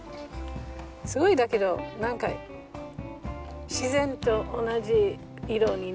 すごいだけど何か自然と同じ色になるよね。